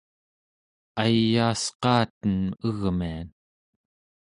ayaasqaaten egmian